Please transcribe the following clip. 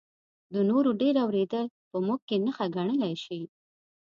د نورو ډېر اورېدل په موږ کې نښه ګڼلی شي.